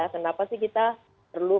kenapa sih kita perlu